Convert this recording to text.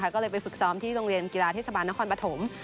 ก็เลยไปฝึกซ้อมที่โรงเรียนกีฬาเทศบาลนครปฐม